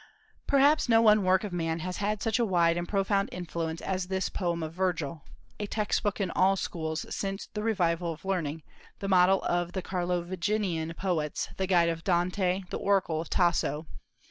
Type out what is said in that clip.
Probably no one work of man has had such a wide and profound influence as this poem of Virgil, a textbook in all schools since the revival of learning, the model of the Carlovingian poets, the guide of Dante, the oracle of Tasso.